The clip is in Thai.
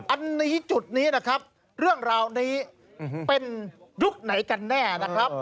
อันนี้จุดนี้นะครับเรื่องราวนี้เป็นยุคไหนกันแน่นะครับ